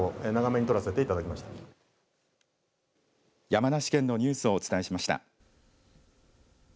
山梨県のニュースをお伝えしました。